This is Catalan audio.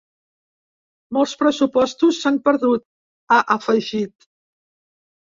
Molts pressupostos s’han perdut, ha afegit.